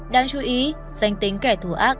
đáng chú ý danh tính kẻ thù ác